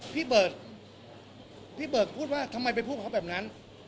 พี่เบิร์ตพี่เบิร์ตพูดว่าทำไมไปพูดเขาแบบนั้น